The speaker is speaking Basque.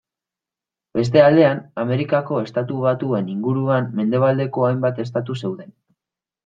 Beste aldean Amerikako Estatu Batuen inguruan mendebaldeko hainbat estatu zeuden.